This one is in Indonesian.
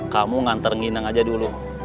kamu nganter ngineng aja dulu